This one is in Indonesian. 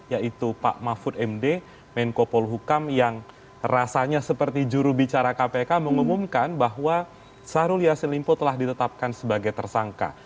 yaitu pak mahfud md menko polhukam yang rasanya seperti jurubicara kpk mengumumkan bahwa syahrul yassin limpo telah ditetapkan sebagai tersangka